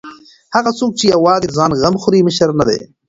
هغه څوک چې یوازې د ځان غم خوري مشر نه دی.